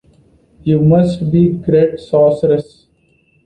You must be a great sorceress.